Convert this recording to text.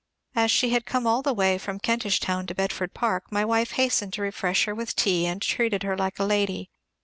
As she had come all the way from Kentish Town to Bedford Park, my wife hastened to refresh her with tea, and treated her like a lady.